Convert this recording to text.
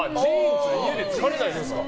家で疲れないんですか？